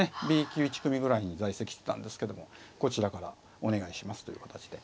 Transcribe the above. Ｂ級１組ぐらいに在籍してたんですけどもこちらからお願いしますという形で。